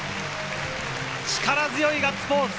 力強いガッツポーズ。